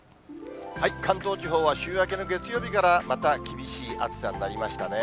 関東地方は、週明けの月曜日からまた厳しい暑さになりましたね。